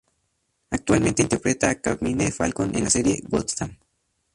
Actualmente interpreta a Carmine Falcone en la serie "Gotham".